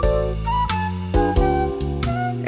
dia mencoba untuk mencoba